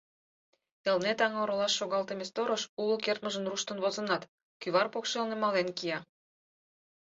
Элнет аҥ оролаш шогалтыме сторож уло кертмыжын руштын возынат, кӱвар покшелне мален кия.